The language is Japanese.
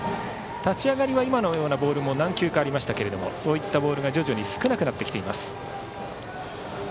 立ち上がりは今のようなボールも何球かありましたがそういったボールが徐々に少なくなってきています。